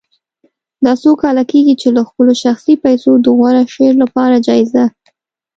دا څو کاله کېږي چې له خپلو شخصي پیسو د غوره شعر لپاره جایزه